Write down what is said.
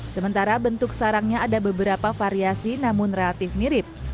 sementara bentuk sarangnya ada beberapa variasi namun relatif mirip